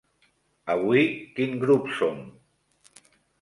Avui quin grup som?